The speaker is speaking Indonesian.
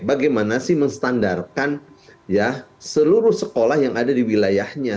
bagaimana sih menstandarkan seluruh sekolah yang ada di wilayahnya